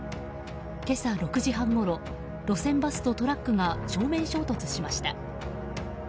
今朝６時半ごろ、路線バスとトラックが正面衝突しました。